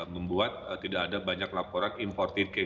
membuat tidak ada banyak laporan imported case